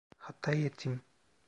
Hata ettim.